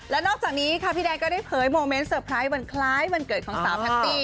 และนอกจากนี้ค่ะพี่แดงก็ได้เผยโมเมนต์เตอร์ไพรส์วันคล้ายวันเกิดของสาวแพตตี้